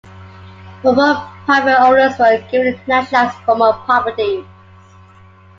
Former private owners were given nationalised former properties.